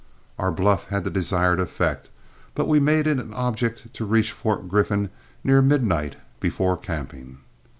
Our bluff had the desired effect; but we made it an object to reach Fort Griffin near midnight before camping.